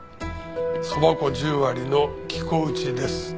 そば粉１０割の生粉打ちです。